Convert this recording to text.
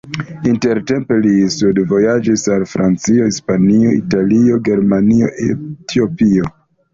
Intertempe li studvojaĝis al Francio, Hispanio, Italio, Germanio, Etiopio.